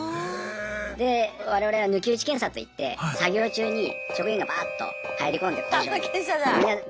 で我々は抜き打ち検査といって作業中に職員がバーッと入り込んで工場に。